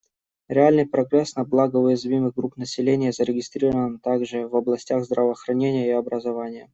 Реальный прогресс на благо уязвимых групп населения зарегистрирован также в областях здравоохранения и образования.